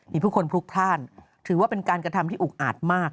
บีบุคคลพลุกภาชน์ถือว่าเป็นการกระทำที่อุกอาดมาก